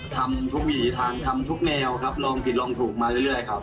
ทำทุกวิถีทางทำทุกแนวครับลองผิดลองถูกมาเรื่อยครับ